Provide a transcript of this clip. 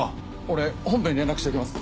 俺本部に連絡しておきます。